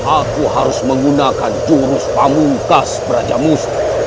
aku harus menggunakan jurus pamungkas perajamusu